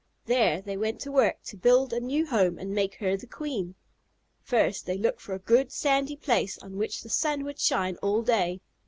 There they went to work to build a new home and make her their queen. First, they looked for a good, sandy place, on which the sun would shine all day.